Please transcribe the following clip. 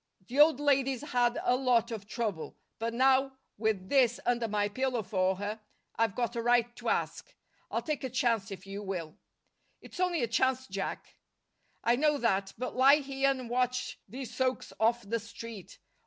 The old lady's had a lot of trouble. But now, with THIS under my pillow for her, I've got a right to ask. I'll take a chance, if you will." "It's only a chance, Jack." "I know that. But lie here and watch these soaks off the street.